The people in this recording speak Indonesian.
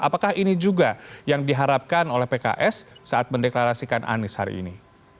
apakah ini juga yang diharapkan oleh pks saat mendeklarasikan anies hari ini